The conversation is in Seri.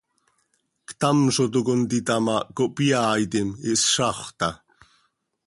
Ctam zo toc contita ma, cohpyaaitim, ihszaxö taa.